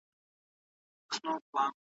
ژوند تر مرګ خوږ دی.